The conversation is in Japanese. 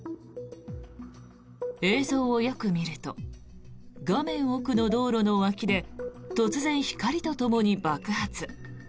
映像をよく見ると画面奥の道路の脇で突然、光とともに爆発。